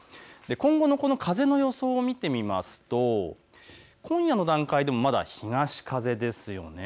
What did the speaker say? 今後の風の予想を見てみると今夜の段階でもまだ東風です。